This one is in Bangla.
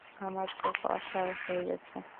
আমার চোখ অসাড় হয়ে গেছে।